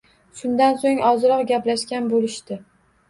Shundan so‘ng ozroq gaplashgan bo‘lishdi.